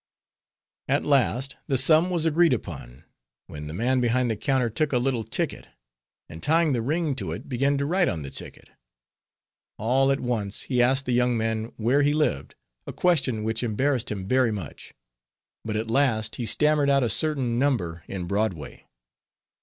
At last the sum was agreed upon, when the man behind the counter took a little ticket, and tying the ring to it began to write on the ticket; all at once he asked the young man where he lived, a question which embarrassed him very much; but at last he stammered out a certain number in Broadway.